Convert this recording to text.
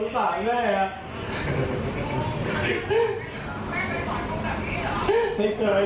การได้เอง